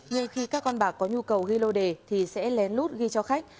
nhưng khi các con bạc có nhu cầu ghi lô đề thì sẽ lén lút ghi cho khách